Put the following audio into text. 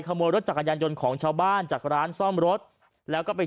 ขโมยรถจักรยานยนต์ของชาวบ้านจากร้านซ่อมรถแล้วก็ไป